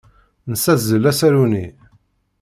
Nessazzel asaru-nni.